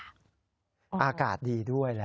อากาศดีด้วยนะ